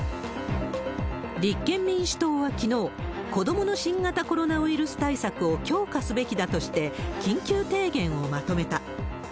立憲民主党はきのう、子どもの新型コロナウイルス対策を強化すべきだとして、緊急提言をまとめた。